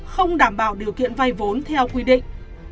không đảm bảo điều kiện vay vốn theo quy định